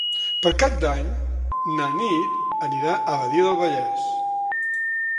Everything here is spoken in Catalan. Per Cap d'Any na Nit anirà a Badia del Vallès.